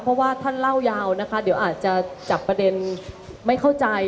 เพราะว่าท่านเล่ายาวนะคะเดี๋ยวอาจจะจับประเด็นไม่เข้าใจ